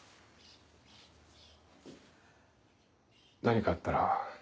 何かあったら。